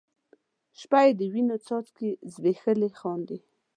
شپه یې د وینو څاڅکي زبیښي خاندي